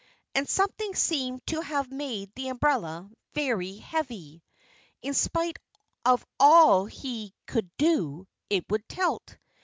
And something seemed to have made the umbrella very heavy. In spite of all he could do, it would tilt.